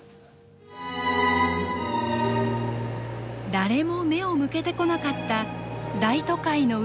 誰も目を向けてこなかった大都会の海